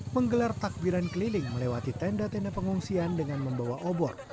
menggelar takbiran keliling melewati tenda tenda pengungsian dengan membawa obor